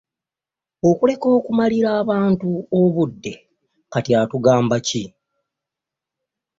Okuleka okumalira abantu obudde kati atugamba ki?